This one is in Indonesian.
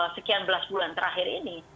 sekian belas bulan terakhir ini